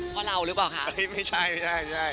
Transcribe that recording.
เพราะเราหรือเปล่าคะเอ้ยไม่ใช่